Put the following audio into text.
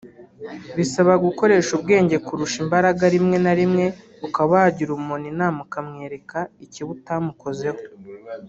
Bisaba gukoresha ubwenge kurusha imbaraga rimwe na rimwe ukaba wagira umuntu inama ukamwereka ikibi utamukozeho